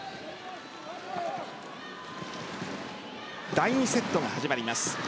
第２セットが始まります。